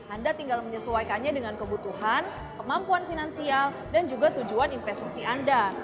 anda tinggal menyesuaikannya dengan kebutuhan kemampuan finansial dan juga tujuan investasi anda